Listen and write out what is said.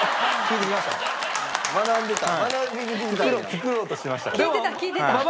作ろうとしてましたから。